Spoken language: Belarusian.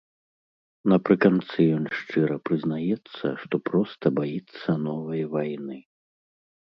Напрыканцы ён шчыра прызнаецца, што проста баіцца новай вайны.